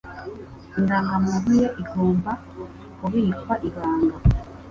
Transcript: Indangamuntu ye igomba kubikwa ibanga.